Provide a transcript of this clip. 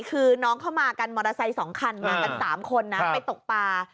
คือน้องเข้ามากันมอเตอร์ไซค์๒คันมากัน๓คนนะไปตกปลา